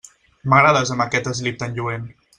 M'agrades amb aquest eslip tan lluent.